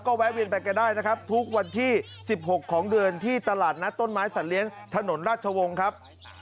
แวะเวียนไปกันได้นะครับทุกวันที่๑๖ของเดือนที่ตลาดนัดต้นไม้สัตว์เลี้ยงถนนราชวงศ์ครับ